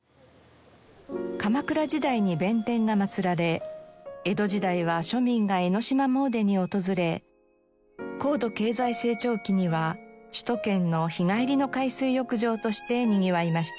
鎌倉時代に弁天がまつられ江戸時代は庶民が江の島詣でに訪れ高度経済成長期には首都圏の日帰りの海水浴場としてにぎわいました。